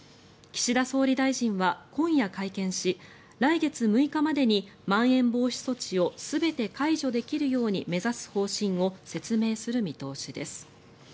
岸田総理大臣は今夜、会見し来月６日までにまん延防止措置を全て解除できるように目指す方針を説明する見通しです。